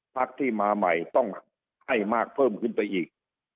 พักที่มาใหม่ต้องให้มากเพิ่มขึ้นไปอีก